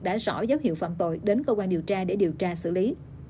đã rõ dấu hiệu phạm tội đến cơ quan điều tra để điều tra xử lý